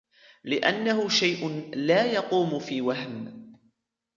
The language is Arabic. لِأَنَّهُ شَيْءٌ لَا يَقُومُ فِي وَهْمٍ